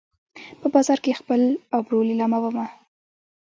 په بازار کې خپل ابرو لیلامومه